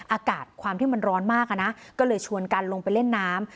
อากาศความที่มันร้อนมากก็เลยชวนกันลงไปเล่นน้ำ